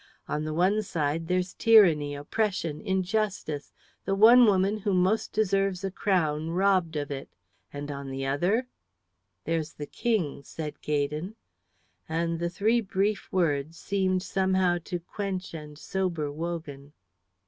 On the one side there's tyranny, oppression, injustice, the one woman who most deserves a crown robbed of it. And on the other " "There's the King," said Gaydon; and the three brief words seemed somehow to quench and sober Wogan.